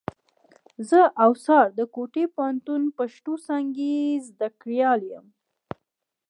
زه اوڅار د کوټي پوهنتون پښتو څانګي زدهکړيال یم.